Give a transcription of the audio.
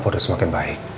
kau udah semakin baik